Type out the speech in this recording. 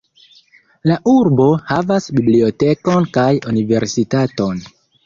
La urbo havas bibliotekon kaj universitaton.